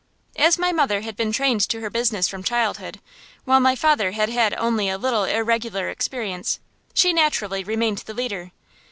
As my mother had been trained to her business from childhood, while my father had had only a little irregular experience, she naturally remained the leader.